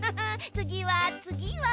つぎはつぎは。